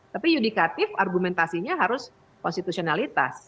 tapi yudikatif argumentasinya harus konstitusionalitas